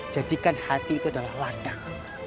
jadikan hati itu adalah ladang